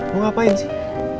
mau ngapain sih